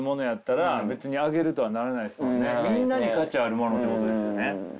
みんなに価値あるものってことですよね。